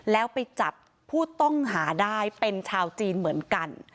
แล้วไปจับผู้ต้องหาได้เป็นชาวจีนเหมือนกัน